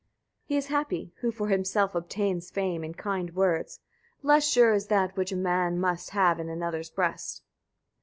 8. He is happy, who for himself obtains fame and kind words: less sure is that which a man must have in another's breast.